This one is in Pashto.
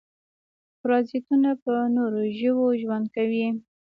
پرازیتونه په نورو ژویو ژوند کوي